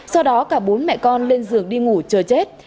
sau đó cả bốn mẹ con lên dược đi ngủ chờ chết